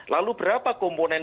lalu berapa komponen